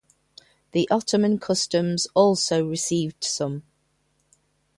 The Ottoman customs also received some.